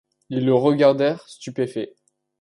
Ils le regardèrent, stupéfaits.